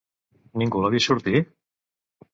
Ningú l'ha vist sortir?